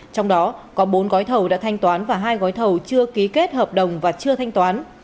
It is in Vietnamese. trong đó có bốn gói thầu đã thanh toán và hai gói thầu chưa ký kết hợp đồng và chưa thanh toán